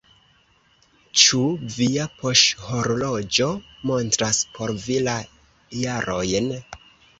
"Ĉu via poŝhorloĝo montras por vi la jarojn?"